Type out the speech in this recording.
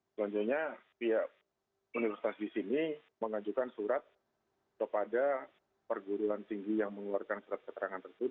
selanjutnya pihak universitas di sini mengajukan surat kepada perguruan tinggi yang mengeluarkan surat keterangan tersebut